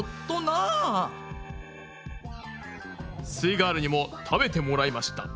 イガールにも食べてもらいました。